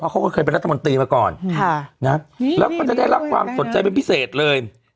เขาก็เคยเป็นรัฐมนตรีมาก่อนแล้วก็จะได้รับความสนใจเป็นพิเศษเลย